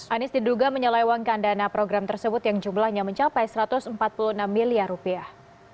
anies diduga menyelewangkan dana program tersebut yang jumlahnya mencapai satu ratus empat puluh enam miliar rupiah